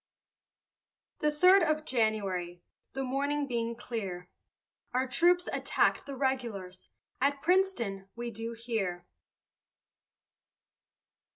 The third of January, The morning being clear, Our troops attack'd the regulars, At Princeton, we do hear.